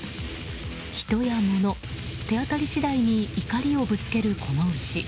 人やもの、手当たり次第に怒りをぶつけるこの牛。